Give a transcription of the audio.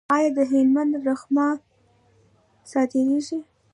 آیا د هلمند رخام صادریږي؟